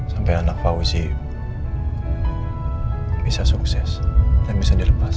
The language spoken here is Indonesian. sampai anak fauzi bisa sukses dan bisa dilepas